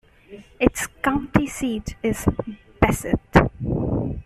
Its county seat is Bassett.